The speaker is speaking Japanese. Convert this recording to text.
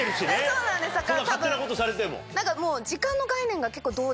そんな勝手なことされても。